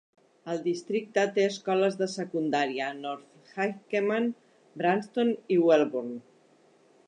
El districte té escoles de secundària a North Hykeham, Branston i Welbourn.